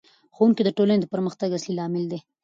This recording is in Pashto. ښوونکی د ټولنې د پرمختګ اصلي لامل دی.